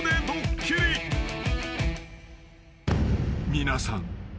［皆さん］